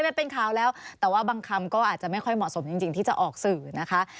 ได้เป็นข่าวแล้วแต่ว่าบางคำก็อาจจะไม่ค่อยเหมาะสมจริงที่จะออกสื่อนะคะ